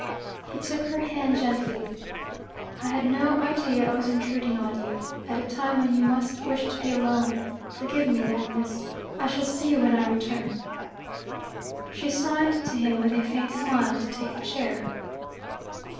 He took her hand gently. 'I had no idea I was intruding on you, at a time when you must wish to be alone. Forgive me, Agnes I shall see you when I return.' She signed to him, with a faint smile, to take a chair.